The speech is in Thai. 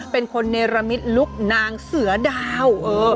เป็นคนเนรมิตลุคนางเสือดาว